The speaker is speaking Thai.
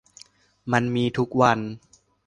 มันมีทุกวัน